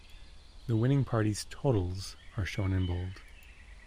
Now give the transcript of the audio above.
The winning party's total's are shown in bold.